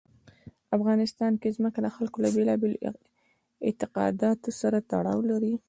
افغانستان کې ځمکه د خلکو له بېلابېلو اعتقاداتو سره تړاو لري.